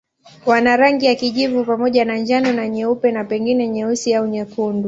Wana rangi ya kijivu pamoja na njano na nyeupe na pengine nyeusi au nyekundu.